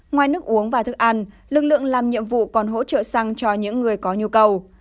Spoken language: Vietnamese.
ngoài nước uống và thức ăn lực lượng làm nhiệm vụ còn hỗ trợ xăng cho những người có nhu cầu